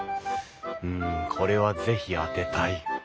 うんこれは是非当てたい。